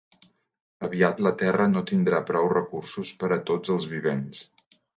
Aviat la terra no tindrà prou recursos per a tots els vivents.